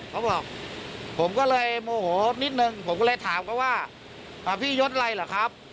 เขาบอกผมก็เลยโมโหนิดนึงผมก็เลยถามเขาว่าพี่ยดอะไรเหรอครับ